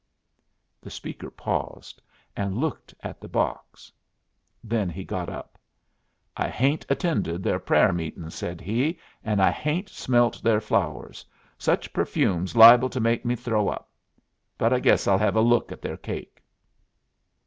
The speaker paused, and looked at the box. Then he got up. "I hain't attended their prayer meetin's," said he, "and I hain't smelt their flowers. Such perfume's liable to make me throw up. But I guess I'll hev a look at their cake."